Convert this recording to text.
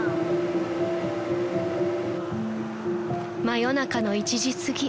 ［真夜中の１時すぎ］